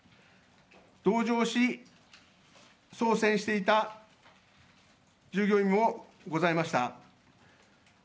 同乗し、操船していた従業員もございました。